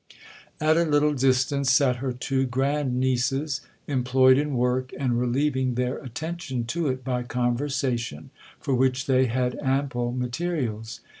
1 Taylor's Book of Martyrs. 'At a little distance sat her two grand nieces, employed in work, and relieving their attention to it by conversation, for which they had ample materials.